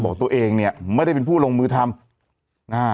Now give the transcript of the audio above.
บอกตัวเองเนี่ยไม่ได้เป็นผู้ลงมือทำอ่า